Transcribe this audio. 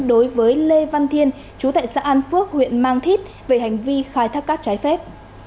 đối với lê văn thiên chú tại xã an phước huyện mang thít về hành vi khai thác cát trái phép